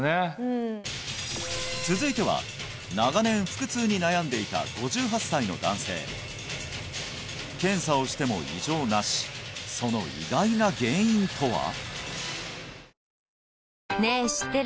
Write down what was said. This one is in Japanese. え続いては長年腹痛に悩んでいた５８歳の男性検査をしても異常なしその意外な原因とは？